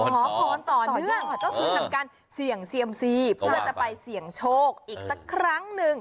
ขอพรต่อเนื่องก็คือทำการเสี่ยงเซียมซีเพื่อจะไปเสี่ยงโชคอีกสักครั้งหนึ่ง